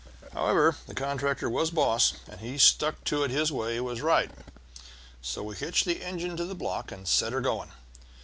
"However, the contractor was boss, and he stuck to it his way was right, so we hitched the engine to the block and set her going.